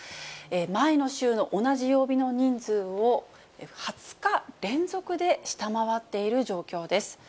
前の週の同じ曜日の人数を２０日連続で下回っている状況です。